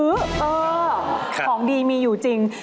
เออของดีมีอยู่จริง